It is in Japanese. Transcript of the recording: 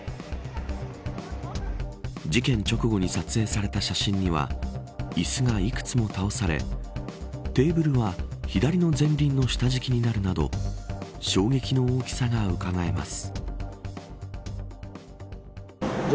事件直後に撮影された写真には椅子がいくつも倒されテーブルは左の前輪の下敷きになるなど衝撃の大きさがうかがえます。